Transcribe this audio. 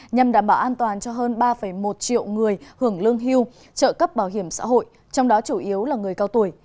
nhằm đảm bảo an toàn cho hơn ba một triệu người hưởng lương hưu trợ cấp bảo hiểm xã hội trong đó chủ yếu là người cao tuổi